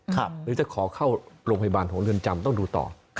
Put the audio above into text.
หรือจะขอเข้าโรงพยาบาลของเรือนจำต้องดูต่อ